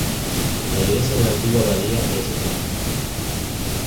La iglesia de la antigua abadía de St.